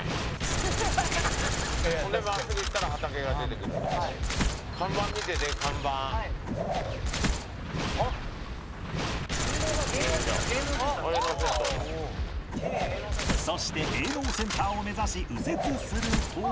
そして営農センターを目指し右折すると